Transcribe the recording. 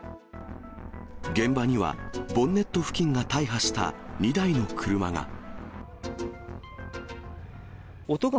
現場には、ボンネット付近が大破した２台の車が。